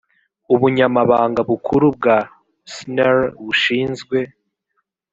ubunyamabanga bukuru bwa sner bushinzwe